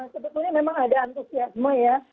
sebetulnya memang ada antusiasme ya